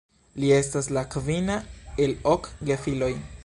Li estas la kvina el ok gefiloj.